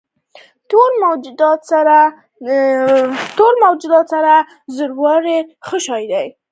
ټول موجودات سره نښلیدلي دي.